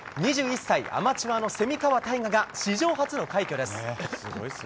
２１歳アマチュアの蝉川泰果が史上初の快挙です。